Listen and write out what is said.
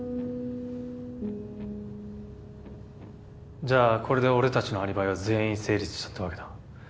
じゃあこれで俺たちのアリバイは全員成立したってわけだ。